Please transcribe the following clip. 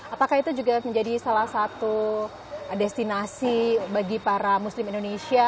apakah itu juga menjadi salah satu destinasi bagi para muslim indonesia